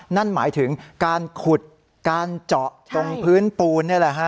นั่นหมายถึงการขุดการเจาะตรงพื้นปูน